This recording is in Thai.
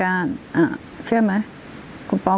คุณแม่ก็ไม่อยากคิดไปเองหรอก